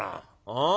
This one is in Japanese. ああ。